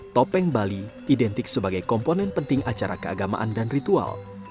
topeng bali identik sebagai komponen penting acara keagamaan dan ritual